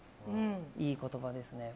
いい言葉ですね。